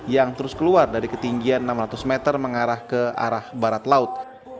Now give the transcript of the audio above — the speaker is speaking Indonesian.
yang terus keluar dari ketinggian enam ratus meter mengarah ke arah barat laut